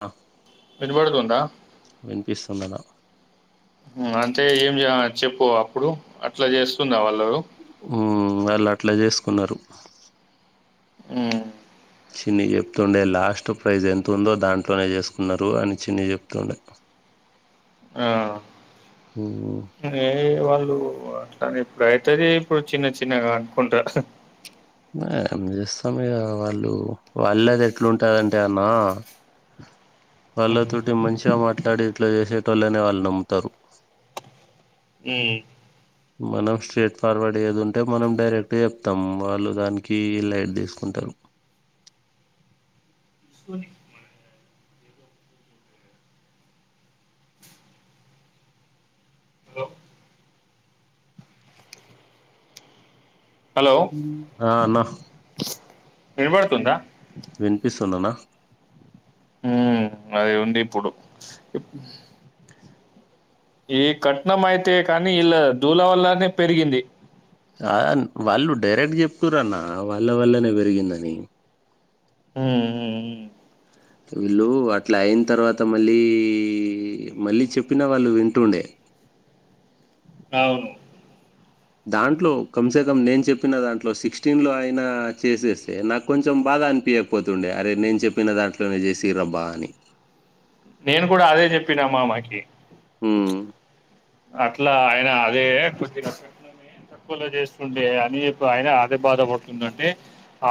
అ ఇదిబడుదు ఉందా [inaudible] ఉన్నన [inaudible] అంటే ఏం చెప్పు అప్పుడు అట్లా చేస్తుందా వాళ్ళు వాళ్ళు అట్లా చేసుకున్నారు హమ్ చిన్ని చెప్తుండే లాస్ట్ ప్రైజ్ ఎంత ఉందో దాంట్లోనే చేసుకున్నారు అని చిన్ని చెప్తుండే ఆ ఉ అట్లా ఇప్పుడుైతుది ఇప్పుడు చిన్న చిన్నగా అనుకుంటా మరి ఏం చేస్తాం ఇగ వాళ్ళు వాళ్ళది ఎట్లుంటందంటే అన్న వాళ్ళతోటి మంచిగా మాట్లాడి ఇట్లా చేసేటళ్ళనే వాళ్ళు నమ్ముతారు హమ్ మనం స్ట్రెయిట్ ఫార్వర్డ్ ఏది ఉంటే మనం డైరెక్ట్ చెప్తాం వాళ్ళు దానికి లైట్ తీసుకుంటారు హలో! హమ్ ఆ అన్న వినపడుతుందా వినిపిస్తుంది అన్న అదిే ఉంది ఇప్పుడు ఈ కట్నం అయితే కానీ ఇళ్ళ ధూల వల్లనే పెరిగింది వాళ్ళు డైరెక్ట్ చెప్తురన్న వాళ్ళ వల్లనే పెరిగిందని హ్మ్. హ్మ్. హ్మ్. వీళ్ళు అట్లా అయిన తర్వాత మళ్ళీ మళ్ళీ చెప్పినా వాళ్ళు వింటుండే అవును దాంట్లో కంసేకం నేను చెప్పిన దాంట్లో సిక్స్టీన్ లో అయినా చేసేస్తే నాకు కొంచెం బాధ అనిపించకపోతుండే అరే నేను చెప్పిన దాంట్లోనే చేసిరు అబ్బా అని నేను కూడా అదే చెప్పినా మామకి హమ్ అట్లా ఆయన అదే కొద్ది రకట్ల తక్కువలో చేస్తుండే అని ఆయన అదే బాధ పడుతుందంటె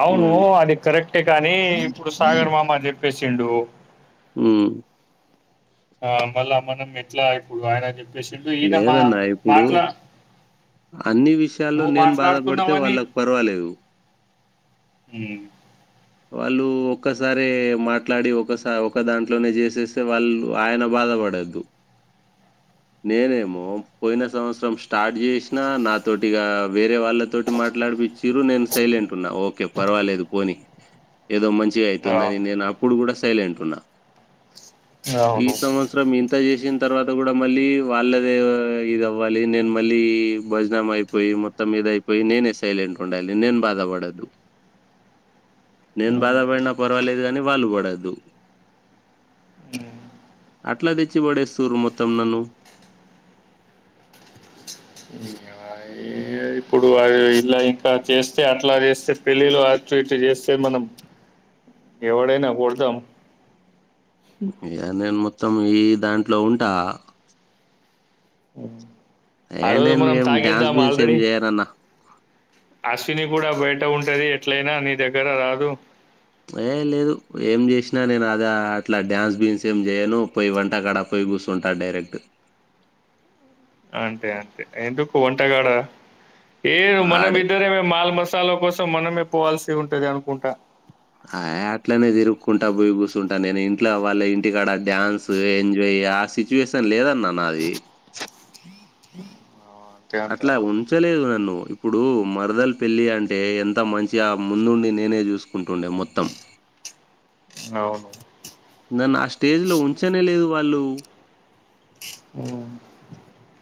అవును ఉమ్, అది కరెక్టే కానీ ఇప్పుడు సాగర్ మామ చెప్ప చేసిండు హమ్ ఆ మల్లా మనం ఎట్లా ఇప్పుడు ఆయన చె లేదన్న ఇప్పుడు అన్ని విషయాల్లో నువ్వు నేను బాధపడితే మాట్లాడుతున్నావని వాళ్ళకు పర్వాలేదు వాళ్ళు ఒక్కసారిమాట్లాడి ఒకసారి ఒక దాంట్లోనే చేసేస్తే వాళ్ళు ఆయన బాధపడద్దు నేనేమో పోయిన సంవత్సరం స్టార్ట్ చేసినా నాతోటిగా వేరే వాళ్ళతోటి మాట్లాడిపిచ్చిరు నేను సైలెంట్ ఉన్నా ఓకే పర్వాలేదు పోని ఏదో మంచి వ్ ఆ అయితుందని నేను అప్పుడు కూడా సైలెంట్ ఉన్నా ఈ అవును సంవత్సరం ఇంత ఇంత చేసిన తర్వాత కూడా మళ్ళీ వాళ్ళదే ఇది అవ్వాలి నేను మళ్ళీ భోజనం అయిపోయి మొత్తం ఇదయిపోయి నేనే సైలెంట్ ఉండాలి నేను బాధపడద్దు నేను బాధపడినా పర్వాలేదు కాని వాళ్ళు పడద్దు అట్లా తెచ్చి పడేస్తురు మొత్తం నన్ను ఇప్పుడు ఇలా ఇంకా చేస్తే అట్లా చేస్తే పెళ్ళిలో అటు ఇటు చేస్తే మనం ఎవడైనా కొడతాం ఏందో ఏమో మొత్తం ఈ దాంట్లో ఉంట ఏ ఆ రోజు నేను మనం ఏం డ్యాన్స్ తాగేద్దాం బీన్స్ ఏం ఆల్రెడీ చేయనన్నా తిని కూడా బయట ఉంటది ఎట్లయినా నీ దగ్గర రాదు ఏ లేదు ఏం జేసినా నేను అద అట్లా డ్యాన్స్ గీన్స్ ఏం చేయను పోయి వంటకాడ పోయి కూసుంట డైరెక్ట్ అంతే అంతే ఎందుకు వంటగాడ ఏ ఆడే మనమిద్దరమే మాల్ మసాలా కస త్తం మనమే పోవాల్సి ఉంటది అనుకుంటా ఆ అట్లనే తిరుకుంటా బోయి కూసుంటా నేను ఇంట్లో అవ్వాల ఇంటికాడ డ్యాన్సు ఎంజాయ్ ఆ సిచ్యువేషన్ లేదా నాన్న అది అంతే అట్లా అంటావా ఉంచలేదు నన్ను ఇప్పుడు మరదలు పెళ్ళి అంటే ఎంత మంచిగా ముందుండి నేనే చూసుకుంటుండే మొత్తం అవును నన్ను ఆ స్టేజ్ లో ఉంచనే లేదు వాళ్ళు హ్మ్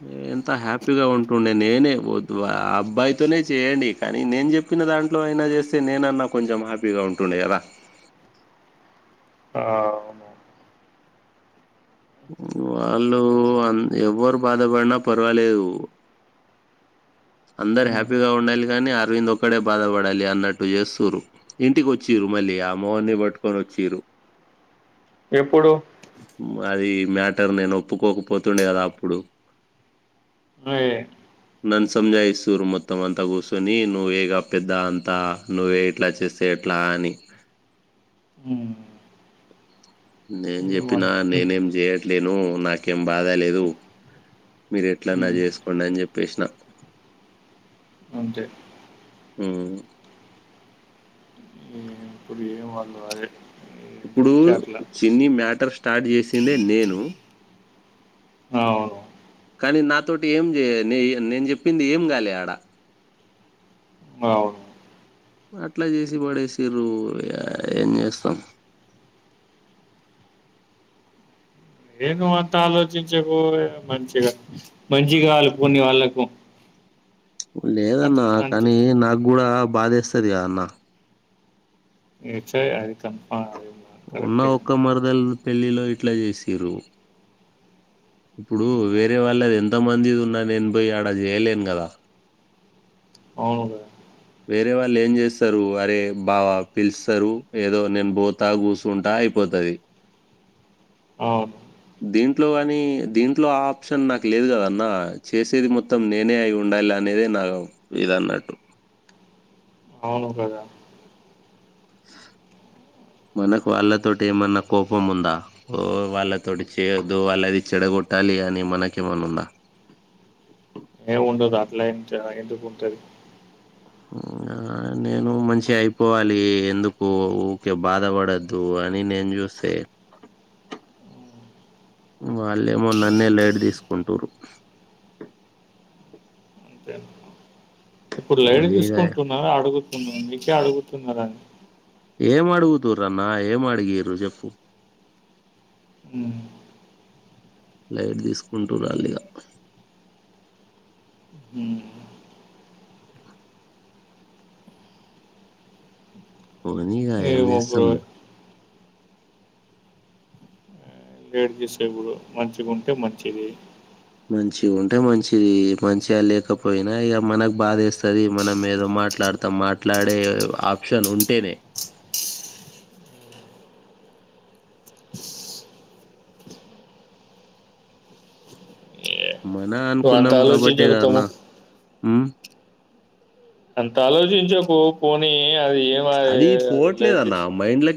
అమ్ ఎంత హ్యాపీగా ఉంటుండే నేనే ఓ ద్దు అబ్బాయితోనే చేయండి కానీ నేను చెప్పిన దాంట్లో అయినా చేస్తే నేనన్నా కొంచెం హ్యాపీగా ఉంటుండే కదా ఆ అవును వాళ్ళు ఏం చేస్తాం అం ఎవ్వరు బాధపడిన పర్వాలేదు అందరు హ్మ్ హ్యాపీగా ఉండాలి కానీ అరవింద్ ఒక్కడే బాధపడాలి అన్నట్టు చేస్తుండ్రు ఇంటికి వచ్చిండ్రు మళ్ళీ ఆ మోహన్ పట్టుకొని వచ్చిండ్రు ఎప్పుడు అది మ్యాటర్ నేను ఒప్పుకోకపోతుండే గదా అప్పుడు [unintelligible] నన్ను సంజాయిస్తూరు మొత్తం అంతా కూర్చొని నువ్వే గ పెద్దా అంతా నువ్వే ఇట్లా చేస్తే ఎట్లా అని హ్మ్ నేను చెప్పినా ఏమన్ నేనేం చేయట్లేను నాకేం బాధ లేదు మీరు ఎట్లన్నా హ్మ్ చేసుకోండి అని జెప్పేసిన అంతే ఉమ్ ఏ- ఇప్పుడు ఏం వాళ్ళు అదే ఏం ఇప్పుడు చెప్తే అట్లా చిన్ని మ్యాట్ మేటర్ స్టార్ట్ చేసిందే నేను అవును కానీ నాతోటి ఏం చెయ నే నేను చెప్పింది ఏం కాలే ఆడ అవును అట్లా చేసి పడేసిండ్రు ఏం చేస్తాం ఏ నువంత ఆలోచించకు మంచిగా మంచిగా ఆలుపుకునే వాళ్ళకు లేదన్న అది అంతే కానీ నాకు గూడా బాధేస్తది గా అన్న ఏడ్చేయ్ అది తప్ప ఉన్న ఒక్క మరదల్ పెళ్లిలో ఇట్లా చేసిండ్రు ఇప్పుడు వేరే వాళ్ళది ఎంత మందిది ఉన్న నేను పోయి ఆడ చేయలేను గదా అవును వేరే వాళ్ళు ఏం చేస్తారు అరే బావా పిలుస్తారు ఏదో నేను బోతా కూచుంటా అయిపోతది అవును దీంట్లో అనీ దీంట్లో ఆప్షన్ నాకు లేదు కదన్నా చేసేది మొత్తం నేనే అయుండాలి అనేదే నా ఇదన్నట్టు అవును కదా మనకు వాళ్ళతోటి ఏమన్నా కోపం ఉందా ఓ వాళ్ళతోటి చేయొద్దూ వాళ్ళది చెడగొట్టాలి అని మనకేమన్నా ఉందా ఏం ఉండదు అట్లా ఎంత ఎందుకుంటది ఆ నేను మంచి అయిపోవాలి ఎందుకు ఊరికే బాధపడద్దు అని నేను చూస్తే వాళ్ళేమో నన్నే లైట్ తీసుకుంటుర్రు అంతే ఇప్పుడు లైట్ తీసుకుంటున్నారా అడుగు మీకే అడుగుతున్నారని ఏం అడుగుతుర్రు అన్నా ఏం అడిగిర్రు చెప్పు పోనీ ఇక ఏం ఏమో బ్రో చేస్తాం వెయిట్ చేసేప్పుడు మంచిగా ఉంటే మంచిది మంచి ఉంటే మంచిది మంచిగా లేకపోయినా ఇక మనకు బాధేస్తది మనం ఏదో మాట్లాడతాం మాట్లాడే ఆప్షన్ ఉంటేనే మన నువ్వు అంత అనుకున్నాం కాబట్టే ఆలోచించక గా అన్నా తమ్ముడు హ్మ్ అంత ఆలోచించకు పోనీ అది ఏమాదే అది లైట్ తీసుకో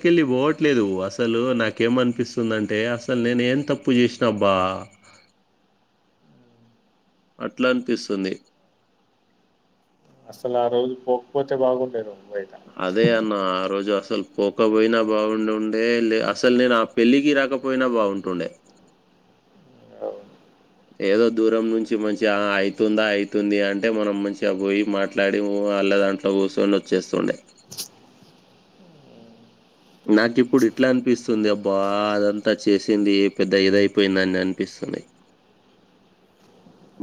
కెళ్ళి పోవట్లేదు అసలు నాకు ఏమనిపిస్తుందంటే అసలు నేను ఏం తప్పు చేసినబ్బా అట్లా అనిపిస్తుంది అసలు ఆ రోజు పోకపోతే బాగుండే నువ్వు అదే అన్న ఆ రోజు అస అసలు పోకపోయినా బాగుండుండే లే అసలు నేను ఆ పెళ్ళికి రాకపోయినా బాగుంటుండే ఏదో దూరం నుంచి మంచిగా ఆ అయితుందా అయితుంది అంటే మనం మంచిగా పోయి మాట్లాడి ఓ అళ్ళ దాంట్లో కూర్చొని వచ్చేస్తుండే నాకి ఇప్పుడు ఇట్లా అనిపిస్తుంది అబ్బా అదంతా చేసింది పెద్ద ఇదయిపోయిందని అని అనిపిస్తుంది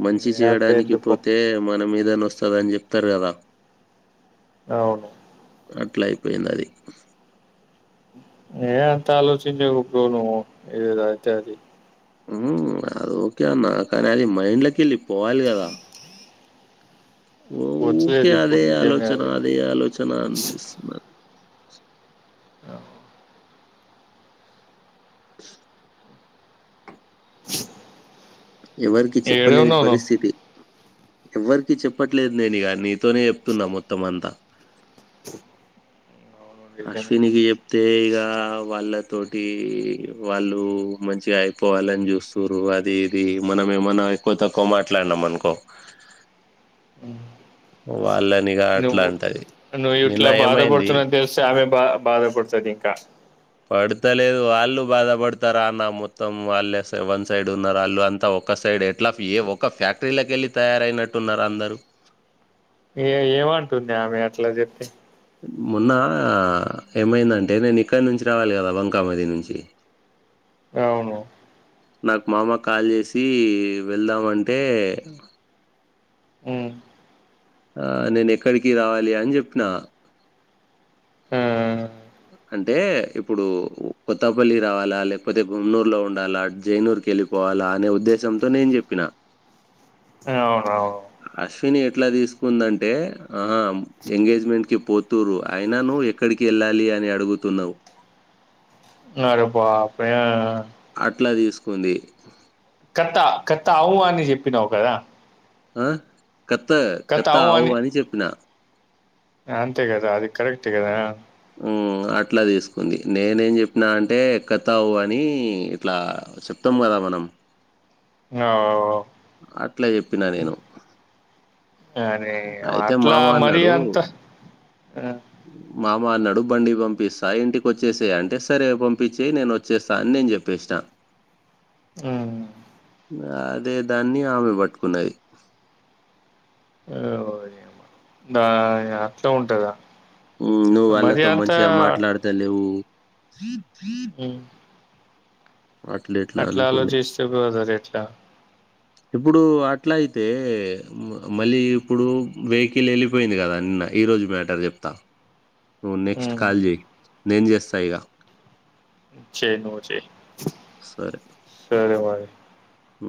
మంచి ఏ అట్లా చేయడానికి ఎందుకు పోతే మన మీదన వస్తదని చెప్తారు కదా అవును అట్లా అయిపోయిందది ఏ ఎంత ఆలోచించకు ఇప్పుడు నువ్వు ఏదైతే అది మ్మ్ అది ఓకే అన్నా కాని అది మైండ్లాకెళ్ళి పోవాలి కదా వచ్చలేదు వూకే ఇప్పుడు అదే నిజమే ఆలోచన అది అదే ఆలోచన అనిపిస్తున్నది ఎవరికి చెప్పలేని ఏడున్నావు నువ్వు పరిస్థితి ఎవరికి చెప్పట్లేదు నేను ఇక నీతోనే చెప్తున్నా మొత్తం అంతా అవును నిజమే అశ్వినికి చెప్తే ఇక వాళ్ళతోటి వాళ్ళు మంచిగా అయిపోవాలని చూస్తుర్రు అది ఇది మనమ ఏమన్నా ఎక్కువ తక్కువ మాట్లాడినాం అనుకో వాళ్ళ నువ్వు నువ్వు ఇట్లా ఏమైంది బాధపడుతున్నావని తెలిస్తే ఆమె బా బాధ పడుతది ఇంకా పడతలేదు వాళ్ళు బాధపడతారా అన్న మొత్తం వాళ్ళు వన్ సైడ్ ఉన్నారు వాళ్ళు అంతా వన్ సైడ్ ఉన్నారు వాళ్ళు అంతా ఒక సైడ్ ఎట్లా పీఏ ఒక్క ఫ్యాక్టరీలోకి వెళ్ళి తయారయినట్టు ఉన్నారు అందరు ఏ ఏంటుంది అమె అట్లా చెప్తే మొన్న ఏమైందంటే నేను ఇక్కడ నుంచి రావాలి కదా వంకామది నుంచి అవును నాకు మామ కాల్ చేసి వెళ్దామంటే ఆ నేను ఎక్కడికి రావాలి అని చెప్పిన అంటే ఇప్పుడు కొత్తపల్లి రావాలా లేకపోతే గున్నూర్లో ఉండాలా జైనూర్ కి వెళ్ళిపోవాలా అనే ఉద్దేశంతో నేను చెప్పిన అవునవును అశ్విని ఎట్లా తీసుకుందంటే ఆహా ఎంగేజ్మెంట్ కి పోతుర్రు అయినా నువ్వు ఎక్కడికి వెళ్ళాలి అని అడుగుతున్నావ్ అరే బాపే అట్లా తీసుకుంది కత్త కత్త అవు అని చెప్పినావు కదా ఆ కత్త కథ కత్త అవు ఆవు అని చెప్పిన అంతే కదా అది కరెక్ట్టు కదా ఉమ్ అట్లా తీసుకుంది నేనేం చెప్పినా అంటే కతావు అని ఇట్లా చెప్తాం కదా మనం ఆ! అట్లా చెప్పినా నేను అ నీ అయితే అట్లా మామ మరి అన్నాడు అంత ఆ మామ అన్నాడు బండి పంపిస్తా ఇంటికి వచ్చేసేయి అంటే సరే పంపించేయి నేను వచ్చేస్తాను అని నేను చెప్పేసిన ఉమ్ అదే దాన్ని ఆమె పట్టుకున్నది ఓయమ్మ! దా ఇగ అత్త ఉంటద నువ్వు వాళ్ళతో మంచిగా మాట్లాడతాలేవు హ్మ్. ఇట్లా అట్లా అంటుంది ఆలోచిస్తే బో ధరే దా ఇప్పుడు అట్లా అయితే మళ్ళీ ఇప్పుడు వెహికిల్ వెళ్ళిపోయింది కదా నిన్న ఈ రోజు మ్యాటర్ చెప్తా నువ్వు నెక్స్ట్ హ్మ్. కాల్ చేయి నేను చేస్తా ఇగ చెయి నువ్ చెయి సరే సరే మరి ఉమ్